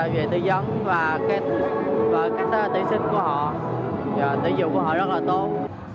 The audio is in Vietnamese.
về tư dấn và các tư sinh của họ tư dụng của họ rất là tốt